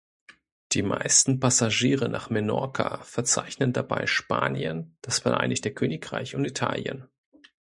Die meisten Passagiere nach Menorca verzeichnen dabei Spanien, das Vereinigte Königreich und Italien.